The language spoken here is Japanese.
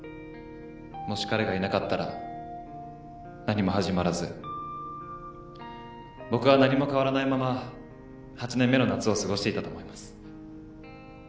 もし彼がいなかったら何も始まらず僕は何も変わらないまま８年目の夏を過ごしていたと思います。